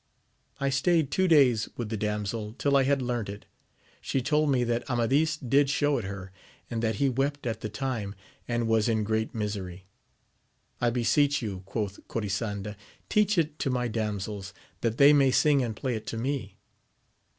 I stayed two days with the damsel till I had learnt it. She told me that Amadis did show it her, and that he wept at the time and was in great misery. I beseech you, quoth Corisanda, teach it to my damsels, that they may sing and play it to me.